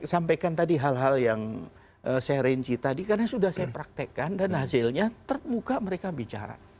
sampaikan tadi hal hal yang saya rinci tadi karena sudah saya praktekkan dan hasilnya terbuka mereka bicara